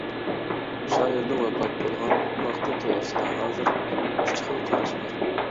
شائىرنىڭ ۋاپات بولغان ۋاقتى توغرىسىدا ھازىر ئۈچ خىل قاراش بار.